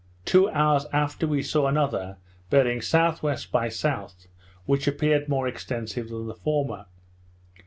Two hours after we saw another, bearing S.W. by S., which appeared more extensive than the former.